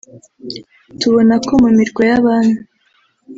tubona ko mu mirwa y’abami